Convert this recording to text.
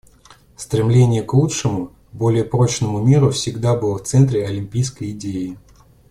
Стремление к лучшему, более прочному миру всегда было в центре олимпийской идеи.